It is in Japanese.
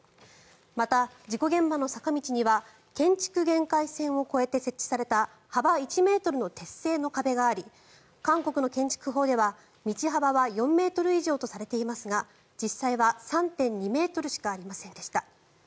また、事故現場の坂道には建築限界線を越えて設置された幅１ｍの鉄製の壁があり韓国の建築法では道幅は４ｍ以上とされていますが実際は３．２ｍしかありませんでした。